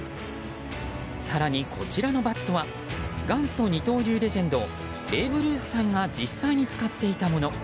更に、こちらのバットは元祖二刀流レジェンドベーブ・ルースさんが実際に使っていたもの。